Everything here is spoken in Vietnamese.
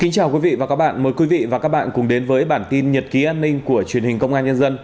chào mừng quý vị đến với bản tin nhật ký an ninh của truyền hình công an nhân dân